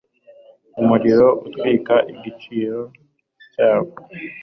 umuriro utwika igico cyabo